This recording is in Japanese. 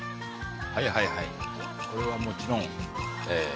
はいはいはいこれはもちろんえぇ。